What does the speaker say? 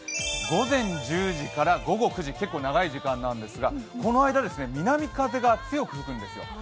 午前１０時から午後９時、結構、長い時間なんですがこの間、南風が強く吹くんですよ。